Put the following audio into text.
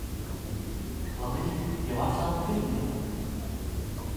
Labrīt. Jau atkal pirmdiena.